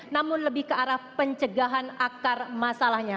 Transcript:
namun lebih ke arah pencegahan akar masalahnya